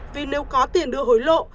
vì nếu có tiền đưa hối lộ